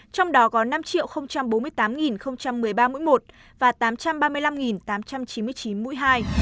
trong đó có năm bốn mươi tám một mươi ba mũi một và tám trăm ba mươi năm tám trăm chín mươi chín mũi hai